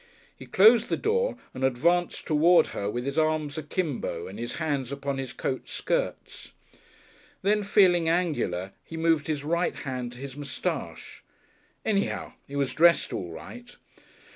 He closed the door and advanced toward her with his arms akimbo and his hands upon his coat skirts. Then, feeling angular, he moved his right hand to his moustache. Anyhow, he was dressed all right.